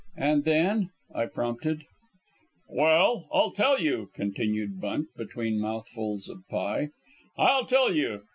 "And then?" I prompted. "Well, I'll tell you," continued Bunt, between mouthfuls of pie, "I'll tell you.